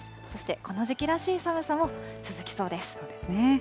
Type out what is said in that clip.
そしてこの時期らしい寒さも続きそうです。